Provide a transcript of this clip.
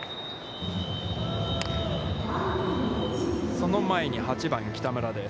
その前に８番北村です。